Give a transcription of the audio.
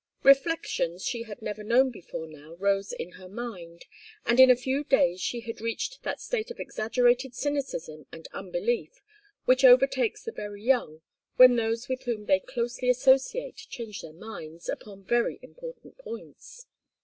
Reflections she had never known before now rose in her mind, and in a few days she had reached that state of exaggerated cynicism and unbelief which overtakes the very young when those with whom they closely associate change their minds upon very important points.